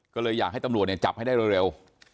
ก็เลยอยากให้ตำรวจเนี่ยจับให้ได้เร็ว